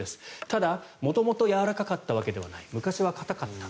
ただ、元々やわらかかったわけではない昔は硬かった。